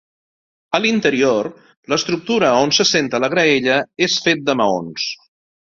A l'interior, l'estructura on s'assenta la graella és fet de maons.